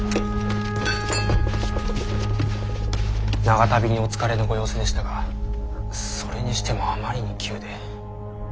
長旅にお疲れのご様子でしたがそれにしてもあまりに急で。